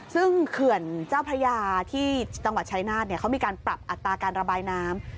ซึ่งเขื่อนเจ้าพระยาที่จังหวัดชายนาฏเขามีการปรับอัตราการระบายน้ำ